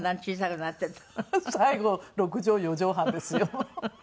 最後６畳４畳半ですよ。